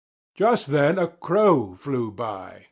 Just then a Crow flew by.